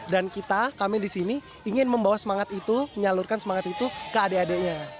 dan kita kami di sini ingin membawa semangat itu menyalurkan semangat itu ke adik adiknya